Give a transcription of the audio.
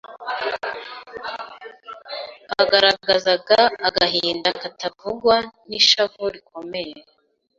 hagaragazaga agahinda katavugwa n’ishavu rikomeye,